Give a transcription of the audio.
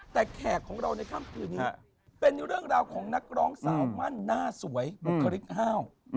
แต่แขกของเราในค่ำคืนนี้เป็นเรื่องราวของนักร้องสาวมั่นหน้าสวยบุคลิกห้าว